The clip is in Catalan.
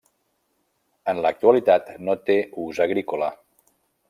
En l'actualitat no té ús agrícola.